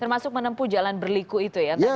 termasuk menempuh jalan berliku itu ya